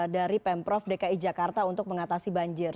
dari pemprov dki jakarta untuk mengatasi banjir